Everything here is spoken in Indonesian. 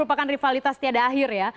merupakan rivalitas tiada akhir ya